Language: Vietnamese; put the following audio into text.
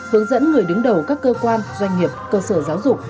hướng dẫn người đứng đầu các cơ quan doanh nghiệp cơ sở giáo dục